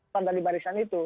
pada di barisan itu